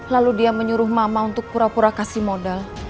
lalu dia menyuruh mama untuk pura pura kasih modal